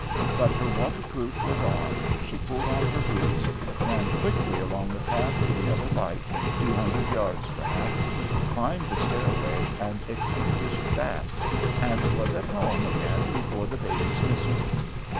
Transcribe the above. But her water proof was on, she pulled on her boots, ran quickly along the path to the other light, two hundred yards perhaps, climbed the stairway and extinguished that, and was at home again before the babies missed her.